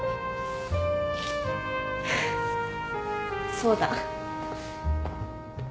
そうだ。